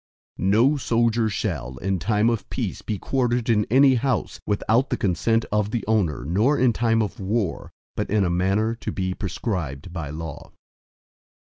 III No soldier shall, in time of peace be quartered in any house, without the consent of the owner, nor in time of war, but in a manner to be prescribed by law.